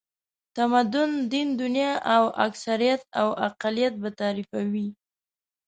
تمدن، دین، دنیا او اکثریت او اقلیت به تعریفوي.